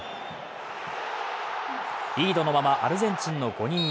リードのままアルゼンチンの５人目